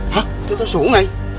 hah itu sungai